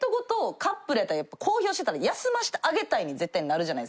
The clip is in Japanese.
カップルやったら公表してたら「休ませてあげたい」に絶対なるじゃないですか。